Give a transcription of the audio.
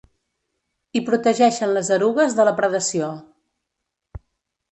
I protegeixen les erugues de la predació.